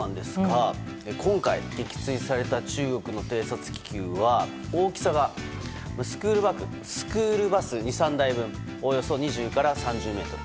今回、撃墜された中国の偵察気球は大きさがスクールバス２３台分おおよそ２０から３０ｍ。